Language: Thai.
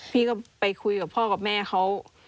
พี่ก็ไปคุยกับพ่อกับแม่เขา